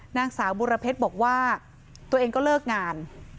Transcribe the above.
นางสาวบุรเพชรบอกว่าตัวเองก็เลิกงาน